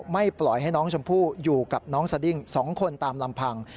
ไม่ปล่อยให้น้องชมพู่อยู่กับน้องสดิ้ง๒คนตามลำพัง